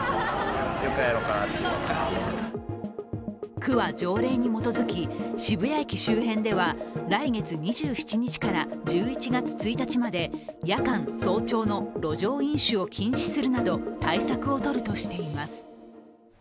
区は条例に基づき渋谷駅周辺では来月２１日から１１月１日まで夜間、早朝の路上飲酒を禁止するなど対策をとるとしています。